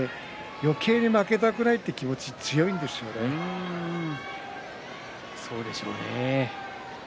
よけいに負けたくないというそうでしょうね。